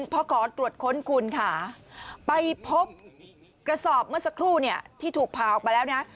พอขอตรวจค้นคุณค่ะไปพบกระสอบเมื่อสักครู่เนี่ยที่ถูกพาออกมาแล้วนะ